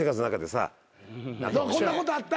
こんなことあった